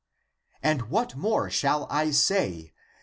^° And what more shall I say?